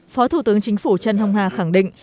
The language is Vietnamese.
phó thủ tướng chính phủ trần hồng hà khẳng định